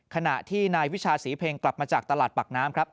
ขณะที่นายวิชาศรีเพลงกลับมาจากตลาดปากน้ำครับ